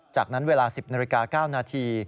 จากนั้นเวลา๑๐นาฬิกา๙นาที